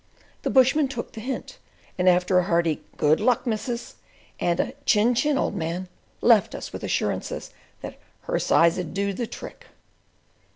The bushman took the hint, and after a hearty "Good luck, missus!" and a "chin, chin, old man," left us, with assurances that "her size 'ud do the trick."